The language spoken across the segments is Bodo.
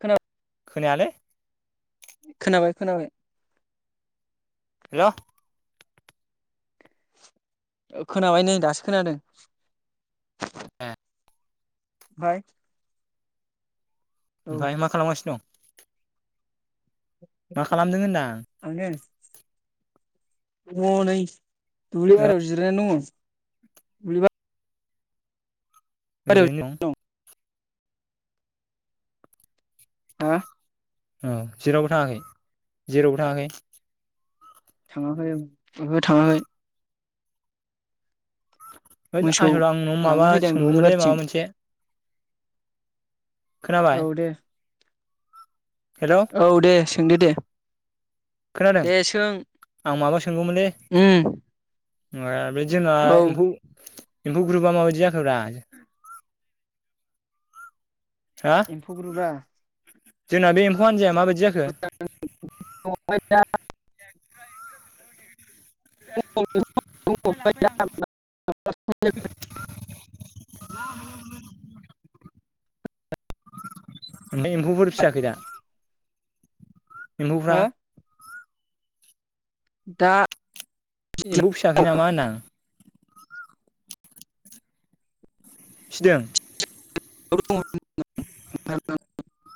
खोना खोनायालै खोनाबाय खोनाबाय। हेल' खोनाबाय नै दासो खोनादों। ए ओमफ्राय ओमफ्राय मा खालामगासिनो दं? मा खालामदों होनदां? आङो दङ नै दुब्लि ओ बारियाव जिरायनानै दङ। दुब्लि ओरैनो दं। ओ औ जेरावबो थाङाखै जेरावबो थाङाखै? थाङाखै ओहो थाङाखै। होद मोसौ आसोल आं नोंनाव लांनो माबा फैदों आं दुब्लि सोंगौमोनलै बारिथिं माबा मोनसे खोनाबाय औ दे हेलौ औ दे सोंदो दे। खोनादों दे सों आं माबा सोंगौमोनलै उम ओ बे जोंना औ एम्फौ एम्फौ ग्रुपआ माबायदि जाखोब्रा? हा एम्फौ ग्रुपआ? जोंना बे एमफौ हानजाया माबायदि‌ जाखो? [unintelligible] [inaudible] [inaudible] ओमफ्राय एम्फौफोर फिसियाखै दा? एम्फौफ्रा? दा एम्फौ फिसियाखै नामा होनदो आं? फिसिदों। [unintelligible]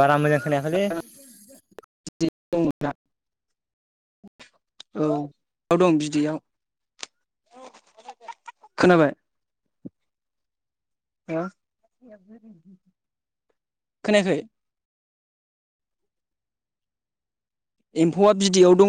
बारा मोजां खोनायाखैलै दंमोनना [unintelligible] औ दं बिदैयाव खोनाबाय? हो [unintelligible] खोनायाखै? एम्फौआ बिदैयाव दङ।